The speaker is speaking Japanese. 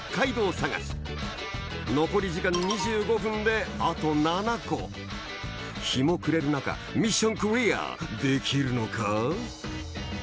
さがし残り時間２５分であと７個日も暮れる中ミッションクリアできるのか？